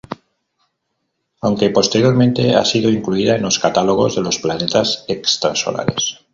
Aunque posteriormente ha sido incluida en los catálogos de los planetas extrasolares.